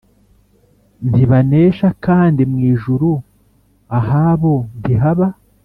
Ntibanesha kandi mu ijuru ahabo ntihaba